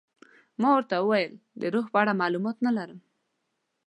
ما ورته وویل د روح په اړه معلومات نه لرم.